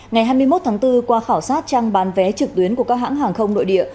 ngày hai mươi một tháng bốn qua khảo sát trang bán vé trực tuyến của các hãng hàng không nội địa